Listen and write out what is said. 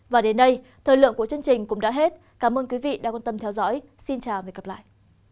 và đến đây thời lượng của chương trình cũng đã hết cảm ơn quý vị đã quan tâm theo dõi xin chào và hẹn gặp lại